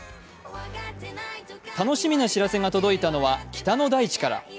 楽しみな知らせが届いたのは北の大地から。